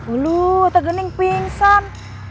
aduh aku gening pingsan